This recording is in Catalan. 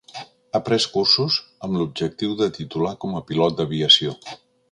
Ha pres cursos amb l'objectiu de titular com a pilot d'aviació.